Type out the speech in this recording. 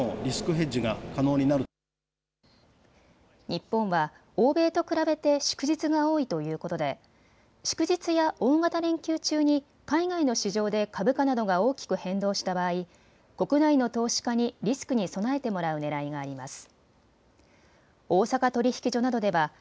日本は欧米と比べて祝日が多いということで祝日や大型連休中に海外の市場で株価などが大きく変動した場合、国内の投資家にリスクに備えてもらうねらいがあります。